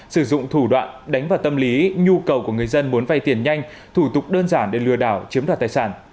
sử dụng thủ đoạn đánh vào tâm lý nhu cầu của người dân muốn vay tiền nhanh thủ tục đơn giản để lừa đảo chiếm đoạt tài sản